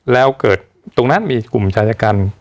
แล้วเกิดตรงนั้นมีกลุ่มชายกัน